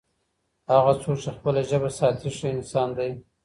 هغه څوک چي خپله ژبه ساتي، ښه انسان دی.